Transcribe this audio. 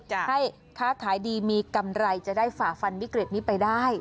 จะให้ค้าขายดีมีกำไรจะได้ฝ่าฟันวิกฤตนี้ไปได้